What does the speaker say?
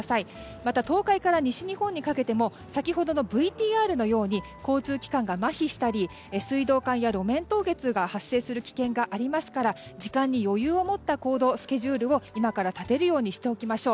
また、東海から西日本にかけても先ほどのＶＴＲのように交通機関がまひしたり水道管や路面凍結が発生する危険がありますから時間に余裕を持った行動スケジュールを今から立てるようにしておきましょう。